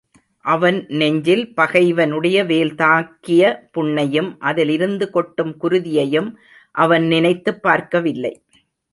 அவன் நெஞ்சில் பகைவனுடைய வேல்தாக்கிய புண்ணையும், அதலிருந்து கொட்டும் குருதியையும் அவன் நினைத்துப் பார்க்கவில்லை.